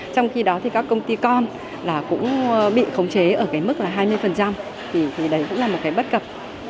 trong khi đó thì các công ty con cũng bị khống chế ở cái mức là hai mươi thì đấy cũng là một cái bất cập